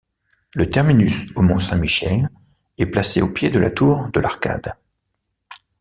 Le terminus au Mont-Saint-Michel est placé au pied de la tour de l'Arcade.